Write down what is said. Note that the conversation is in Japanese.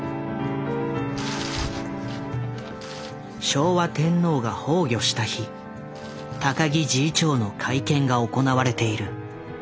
昭和天皇が崩御した日高木侍医長の会見が行われている。